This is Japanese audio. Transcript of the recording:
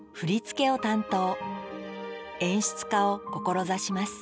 演出家を志します